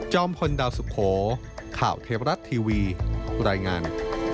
พลดาวสุโขข่าวเทวรัฐทีวีรายงาน